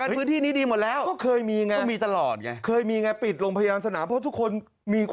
คนไม่ป่วยแล้วเอาอย่างนี้ได้ถูกไหม